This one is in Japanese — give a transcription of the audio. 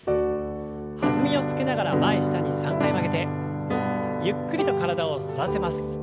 弾みをつけながら前下に３回曲げてゆっくりと体を反らせます。